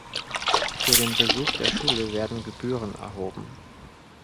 Für den Besuch der Schule werden Gebühren erhoben.